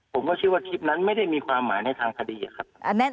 ผมก็คิดว่าคลิปนั้นไม่ได้มีความหมายในทางคดีครับ